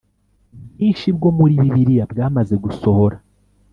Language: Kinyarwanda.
bwinshi bwo muri Bibiliya bwamaze gusohora